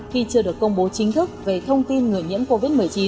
khi chưa được công bố chính thức về thông tin người nhiễm covid một mươi chín